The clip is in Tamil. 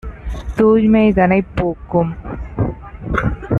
தூய்மைதனைப் போக்கும்!